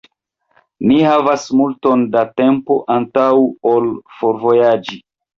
Ni havas multon da tempo antaŭ la forvojaĝo.